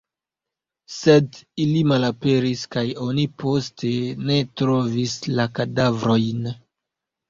Sed ili malaperis kaj oni poste ne trovis la kadavrojn.